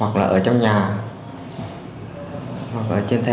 hoặc là ở trong nhà hoặc là ở trong nhà